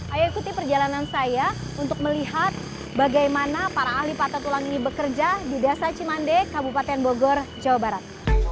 ayo ikuti perjalanan saya untuk melihat bagaimana para ahli patah tulang ini bekerja di desa cimande kabupaten bogor jawa barat